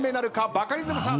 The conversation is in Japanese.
バカリズムさん。